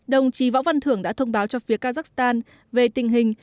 đồng chí võ văn thưởng đã thông báo cho phía kazakhstan về tình hình